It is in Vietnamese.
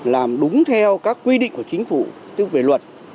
làm đúng theo các quy định của chính phủ tức về luật